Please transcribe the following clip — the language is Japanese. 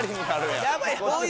やばい！